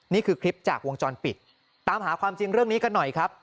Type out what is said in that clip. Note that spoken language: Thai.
นี่คือคลิปจากวงจรปิดตามหาความจริงเรื่องนี้กันหน่อยครับ